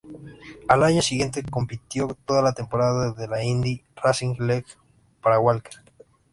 Al año siguiente, compitió toda la temporada de la Indy Racing League para Walker.